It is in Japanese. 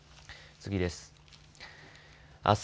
次です。